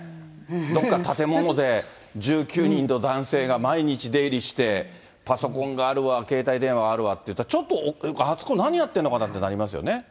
どっか建物で１９人の男性が毎日出入りして、パソコンがあるわ、携帯電話があるわっていったら、ちょっと、あそこ何やってるのかなってなりますね。